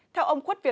theo ông khuất viện